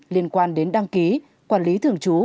liên quan đến đăng ký quản lý thường chú